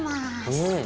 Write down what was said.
うん。